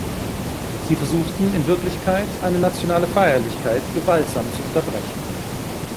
Sie versuchten, in Wirklichkeit, eine nationale Feierlichkeit gewaltsam zu unterbrechen.